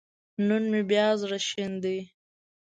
نن مې بيا زړه شين دی